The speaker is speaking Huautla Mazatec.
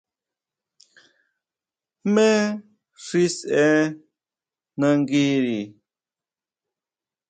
¿Jmé xi sʼee nanguiri?